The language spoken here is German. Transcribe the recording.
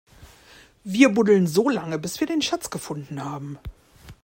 Wir buddeln so lange, bis wir den Schatz gefunden haben!